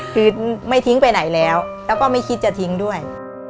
คือไม่ทิ้งไปไหนแล้วแล้วก็ไม่คิดจะทิ้งด้วย